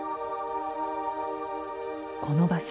この場所